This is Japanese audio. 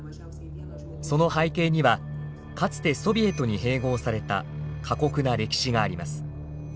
その背景にはかつてソビエトに併合された過酷な歴史があります。